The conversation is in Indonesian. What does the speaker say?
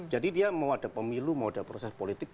jadi dia mau ada pemilu mau ada proses politik